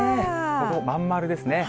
ほぼ真ん丸ですね。